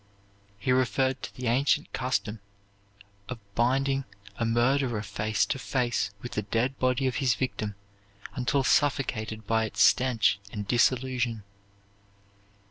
He referred to the ancient custom of binding a murderer face to face with the dead body of his victim, until suffocated by its stench and dissolution.